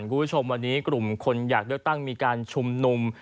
คุณผู้ชมวันนี้กลุ่มคนอยากเลือกตั้งมีการชุมนุม